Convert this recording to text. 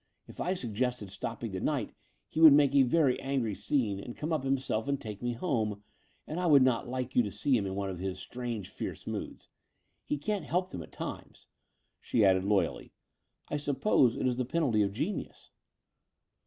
If I suggested stopping the night he would make a very angry scene, and come up himself and take me home : and I would not like you to see him in one of his strange, fierce moods. He can't help them at times," she added loyally. "I suppose it is the penalty of genius."